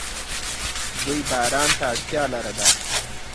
دوی باران ته اړتیا لرله.